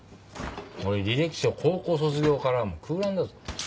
俺履歴書高校卒業から空欄だぞ。